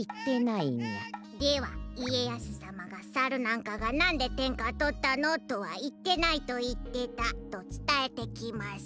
では家康さまがさるなんかがなんでてんかとったの？とはいってないといってたとつたえてきます。